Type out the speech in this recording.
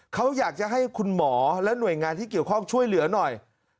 เขาอยากจะให้คุณหมอและหน่วยงานที่เกี่ยวข้องช่วยเหลือหน่อย